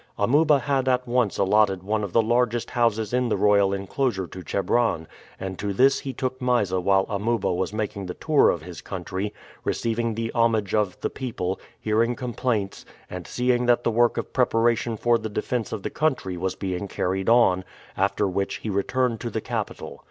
Amuba had at once allotted one of the largest houses in the royal inclosure to Chebron, and to this he took Mysa while Amuba was making the tour of his country, receiving the homage of the people, hearing complaints, and seeing that the work of preparation for the defense of the country was being carried on, after which he returned to the capital.